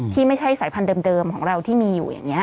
ที่ไม่ใช่สายพันธุ์เดิมของเราที่มีอยู่อย่างนี้